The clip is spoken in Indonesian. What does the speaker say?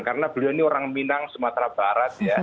karena beliau ini orang minang sumatera barat ya